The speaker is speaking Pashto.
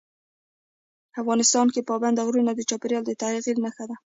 افغانستان کې پابندي غرونه د چاپېریال د تغیر نښه ده.